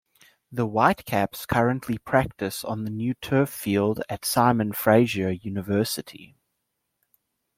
The Whitecaps currently practise on the new turf field at Simon Fraser University.